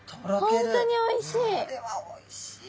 本当においしい。